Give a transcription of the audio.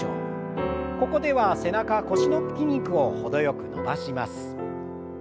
ここでは背中腰の筋肉を程よく伸ばします。